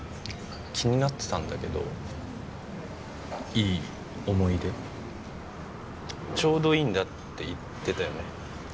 気になってたんだけどいい思い出ちょうどいいんだって言ってたよね